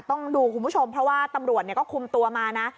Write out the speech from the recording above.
ต้องดูคุณผู้ชมเพราะว่าตำรวจก็คุมตัวมานะ